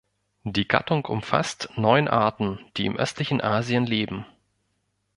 Die Gattung umfasst neun Arten, die im östlichen Asien leben.